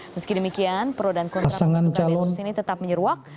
meski demikian perodan kontra kontra densus ini tetap menyeruak